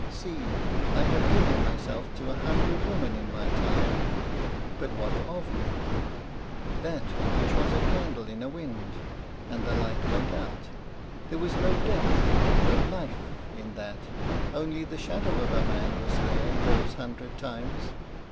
See: I have given myself to a hundred women in my time but what of me? That which was a candle in a wind, and the light went out. There was no depth, no life, in that; only the shadow of a man was there those hundred times.